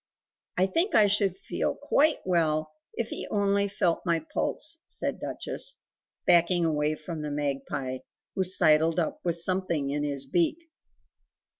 "I think I should feel QUITE well if he only felt my pulse," said Duchess, backing away from the magpie, who sidled up with something in his beak.